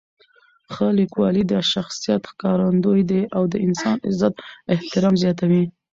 ښه لیکوالی د شخصیت ښکارندوی دی او د انسان عزت او احترام زیاتوي.